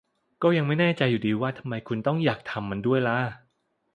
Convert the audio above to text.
ก็ยังไม่แน่ใจอยู่ดีว่าทำไมคุณต้องอยากทำมันด้วยล่ะ